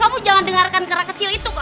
kamu jangan dengarkan kera kecil itu kok